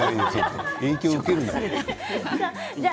影響を受けるな。